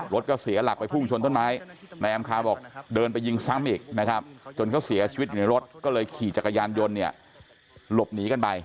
รถก็เสียหลักไปพุ่งชนต้นไม้นายอำคาบอกเดินไปยิงซ้ำอีกนะครับจนเขาเสียชีวิตอยู่ในรถก็เลยขี่จักรยานยนต์เนี่ยหลบหนีกันไป